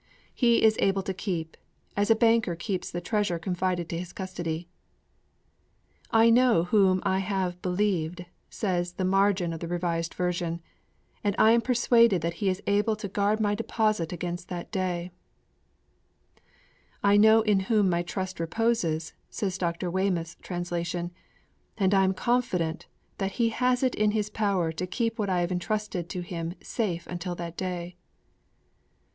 'He is able to keep' as a banker keeps the treasure confided to his custody. 'I know whom I have believed,' says the margin of the Revised Version, 'and I am persuaded that He is able to guard my deposit against that day.' 'I know in whom my trust reposes,' says Dr. Weymouth's translation, '_and I am confident that He has it in His power to keep what I have entrusted to Him safe until that day.